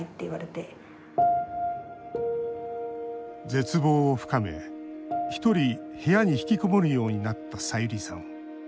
絶望を深め、一人部屋に引きこもるようになったさゆりさん。